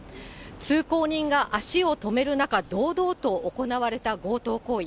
通行人が足を止める中、堂々と行われた強盗行為。